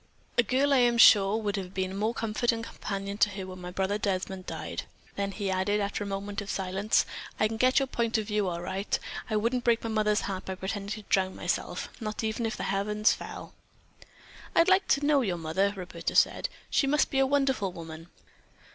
A girl, I am sure, would have been more of a comfort and companion to her when my brother Desmond died." Then he added, after a moment of silence: "I can get your point of view, all right. I wouldn't break my mother's heart by pretending to drown myself, not even if the heavens fell." "I'd like to know your mother," Roberta said. "She must be a wonderful woman."